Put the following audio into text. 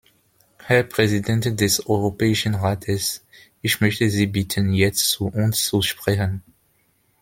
Herr Präsident des Europäischen Rates, ich möchte Sie bitten, jetzt zu uns zu sprechen.